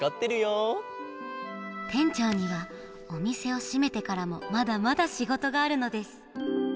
てんちょうにはおみせをしめてからもまだまだしごとがあるのです。